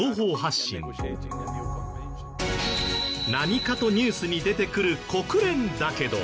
何かとニュースに出てくる国連だけど。